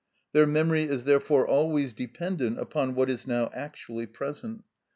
Their memory is therefore always dependent upon what is now actually present.